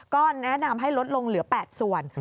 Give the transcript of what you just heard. ก็แนะนำให้ลดลงเหลือ๘ส่วน